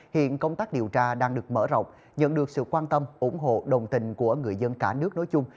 hiện công tác điều tra đang được mở rộng nhận được sự quan tâm ủng hộ đồng tình của người dân cả nước nói chung